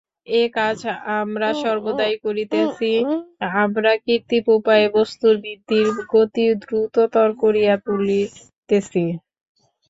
এ-কাজ আমরা সর্বদাই করিতেছি, আমরা কৃত্রিম উপায়ে বস্তুর বৃদ্ধির গতি দ্রুততর করিয়া তুলিতেছি।